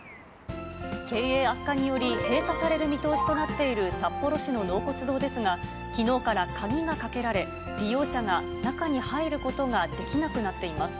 経営悪化により、閉鎖される見通しとなっている札幌市の納骨堂ですが、きのうから鍵がかけられ、利用者が中に入ることができなくなっています。